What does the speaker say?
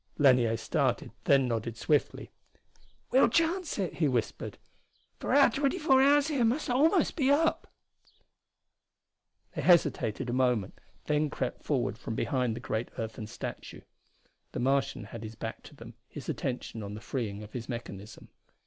Lanier started, then nodded swiftly. "We'll chance it," he whispered. "For our twenty four hours here must be almost up." They hesitated a moment, then crept forward from behind the great earthen statue. The Martian had his back to them, his attention on the freeing of his mechanism.